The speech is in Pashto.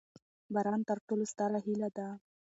باران تر ټولو ستره هیله ده.